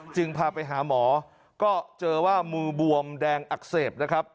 พาไปหาหมอก็เจอว่ามือบวมแดงอักเสบนะครับ